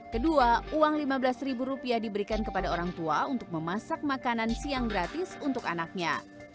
kedua uang lima belas ribu rupiah diberikan kepada orang tua untuk memasak makanan siang gratis untuk anaknya